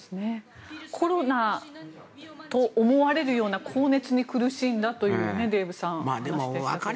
コロナと思われるような高熱に苦しんだという話でしたけど。